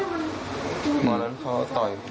ตอนนั้นเขาโต๊ะอยู่